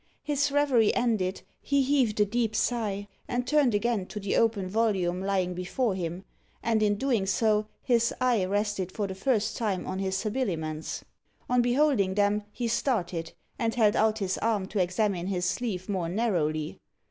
His reverie ended, he heaved a deep sigh, and turned again to the open volume lying before him, and in doing so his eye rested for the first time on his habiliments. On beholding them he started, and held out his arm to examine his sleeve more narrowly.